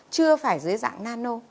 chưa phải dưới dạng nano